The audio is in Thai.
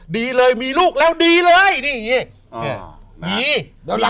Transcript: ดีเลยมีลูกแล้วดีเลยนี่อย่างนี้ดี